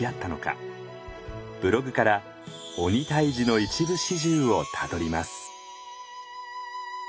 ブログから鬼退治の一部始終をたどります。